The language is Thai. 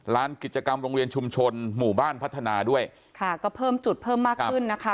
ร้านกิจกรรมโรงเรียนชุมชนหมู่บ้านพัฒนาด้วยค่ะก็เพิ่มจุดเพิ่มมากขึ้นนะคะ